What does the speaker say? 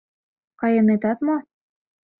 Кайынетат мо?